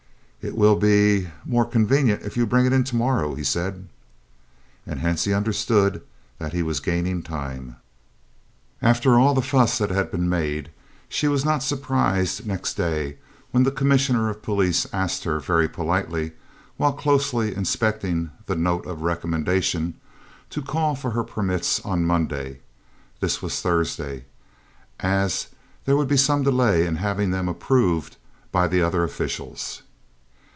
"'It will er be more convenient if you bring it to morrow,' he said." And Hansie understood that he was gaining time. After all the fuss that had been made, she was not surprised next day when the Commissioner of Police asked her, very politely, while closely inspecting the "note of recommendation," to call for her permits on Monday (this was Thursday), as there would be some delay in having them "approved" by the other officials.